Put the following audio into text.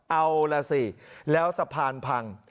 เอาล่ะสิแล้วสะพานพัง